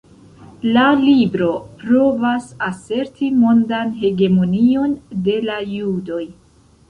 La libro provas aserti mondan hegemonion de la judoj.